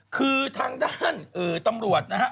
คือทางด้านตำรวจนะฮะ